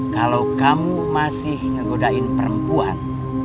kalau kamu masih ngegodain perempuan